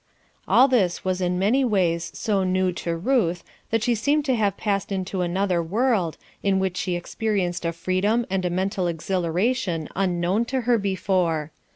All this was in many ways so new to Ruth that she seemed to have passed into another world, in which she experienced a freedom and a mental exhilaration unknown to her before.